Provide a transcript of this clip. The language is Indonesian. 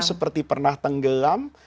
seperti pernah tenggelam